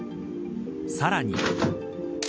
さらに。